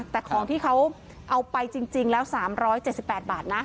แต่ของที่เขาเอาไปจริงแล้ว๓๗๘บาทนะ